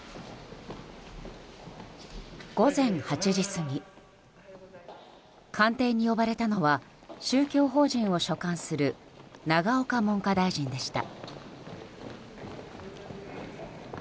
午前８時過ぎ官邸に呼ばれたのは宗教法人を所管する永岡文科大臣でした。